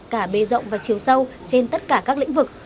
cả bề rộng và chiều sâu trên tất cả các lĩnh vực